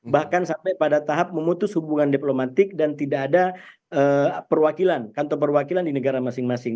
bahkan sampai pada tahap memutus hubungan diplomatik dan tidak ada perwakilan kantor perwakilan di negara masing masing